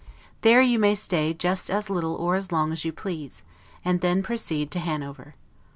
There you may stay just as little or as long as you please, and then proceed to Hanover.